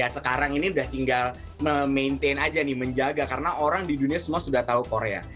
sekarang ini udah tinggal memaintain aja nih menjaga karena orang di dunia semua sudah tahu korea